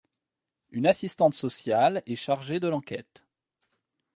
Une assistante sociale est chargée de l'enquête.